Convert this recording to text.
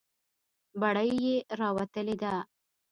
بړۍ یې راوتلې ده.